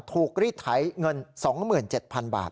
รีดไถเงิน๒๗๐๐๐บาท